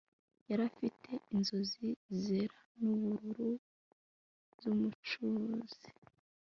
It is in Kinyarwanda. Yari afite inzozi zera nubururu zumucuzi